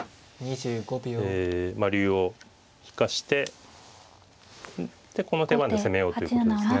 竜を引かしてでこの手番で攻めようっていうことですね。